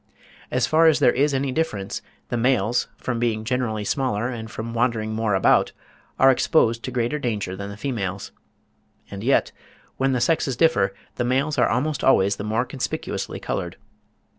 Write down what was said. As far as there is any difference, the males, from being generally smaller and from wandering more about, are exposed to greater danger than the females; and yet, when the sexes differ, the males are almost always the more conspicuously coloured.